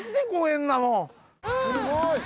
すごい。